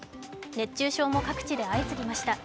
熱中症も各地で相次ぎました。